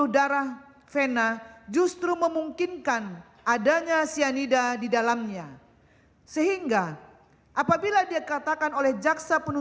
detok benih dimasukkan